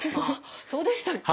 そうでしたっけ？